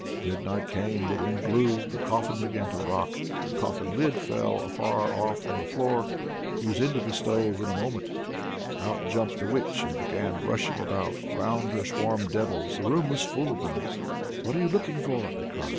Midnight came, the wind blew, the coffin began to rock, the coffin lid fell afar off on the ground. He was into the stove in a moment. Out jumped the witch and began rushing about; round her swarmed devils, the room was full of them! "What are you looking for?" they cry.